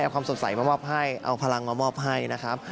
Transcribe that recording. เอาความสดใสมามอบให้เอาพลังมามอบให้นะครับ